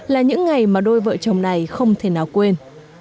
là những ngày mà đôi vợ chồng này không thể nào quên